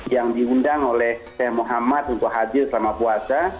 yang diundang oleh saya muhammad untuk hadir selama puasa